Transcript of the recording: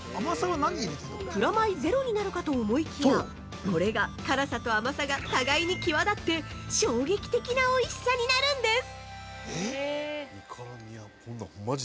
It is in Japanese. プラマイゼロになるかと思いきやこれが、辛さと甘さが互いに際立って衝撃的なおいしさになるんです。